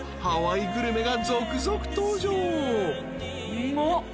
うまっ。